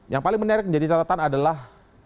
yang paling menarik menjadi catatan adalah